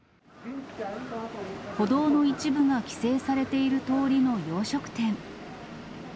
歩道の一部が規制されている通りの洋食店。